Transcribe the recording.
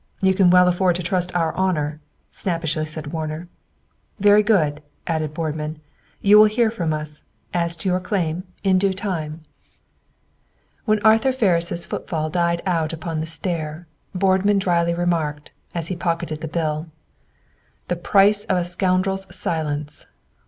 You can well afford to trust our honor," snappishly said Warner. "Very good," added Boardman. "You will hear from us, as to your claim, in due time." When Arthur Ferris' footfall died out upon the stair, Boardman drily remarked, as he pocketed the bill, "The price of a scoundrel's silence!